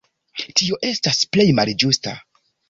Tio estas plej malĝusta.